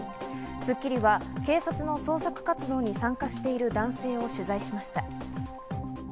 『スッキリ』は警察の捜索活動に参加している男性を取材しました。